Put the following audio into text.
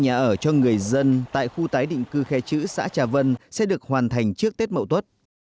nhà ở cho người dân tại khu tái định cư khe chữ xã trà vân sẽ được hoàn thành trước tết mậu tuất